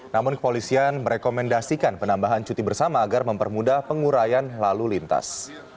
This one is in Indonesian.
namun kepolisian merekomendasikan penambahan cuti bersama agar mempermudah pengurayan lalu lintas